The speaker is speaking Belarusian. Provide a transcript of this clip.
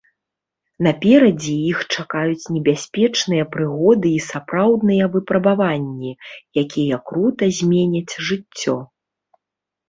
Наперадзе іх чакаюць небяспечныя прыгоды і сапраўдныя выпрабаванні, якія крута зменяць жыццё.